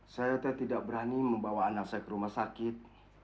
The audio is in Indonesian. saya tidak berani membawa anak saya ke rumah sakit